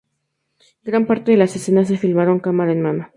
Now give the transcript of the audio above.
Gran parte de las escenas se filmaron cámara en mano.